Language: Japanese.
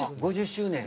５０周年。